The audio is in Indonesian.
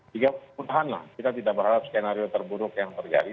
jika pun tahanlah kita tidak berharap skenario terburuk yang terjadi